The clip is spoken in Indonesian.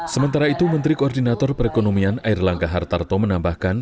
sementara itu menteri koordinator perekonomian air langga hartarto menambahkan